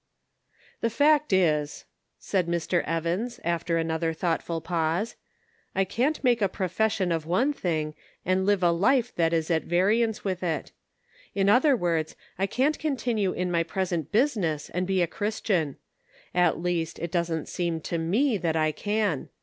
"" The fact is," said Mr. Evans, after another thoughtful pause, "I can't make a profession of one thing, and live a life that is at variance with it. In other words, I can't continue in my present business and be a Christian. At least it doesn't seem to me that I can.